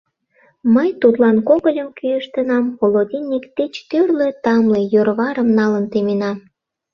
Мый тудлан когыльым кӱэштынам, холодильник тич тӱрлӧ тамле йӧрварым налын теменам.